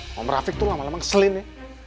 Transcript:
nah om rafiq tuh lama lama ngeselin ya